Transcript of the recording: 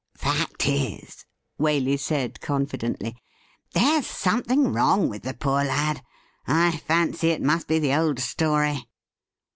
'Fact is,' Waley said confidently, 'there's something wrong with the poor lad. I fancy it must be the old story.'